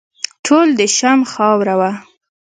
ټول د شام خاوره وه.